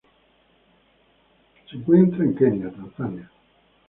Se encuentra en Kenia, Tanzania.